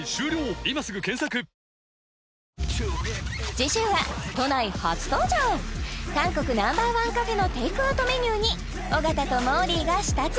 次週は都内初登場韓国Ｎｏ．１カフェのテイクアウトメニューに尾形ともーりーが舌鼓